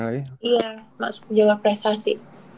iya masuk jalur prestasi